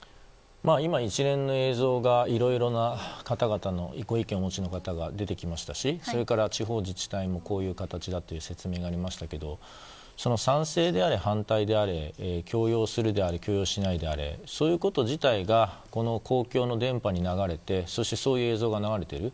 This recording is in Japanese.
今、一連の映像がいろいろな方々のご意見をお持ちの方が出てきましたしそれから地方自治体もこういう形だという説明がありましたけど賛成であれ、反対であれ強要するであれ強要しないであれそういうこと自体がこの公共の電波で流れてそして、そういう映像が流れている。